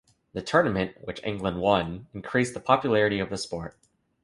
The tournament, which England won, increased the popularity of the sport.